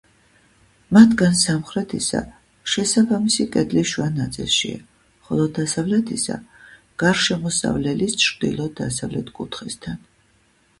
მათგან სამხრეთისა შესაბამისი კედლის შუა ნაწილშია, ხოლო დასავლეთისა გარშემოსავლელის ჩრდილო–დასავლეთ კუთხესთან.